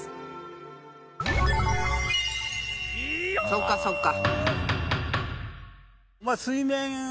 そっかそっか。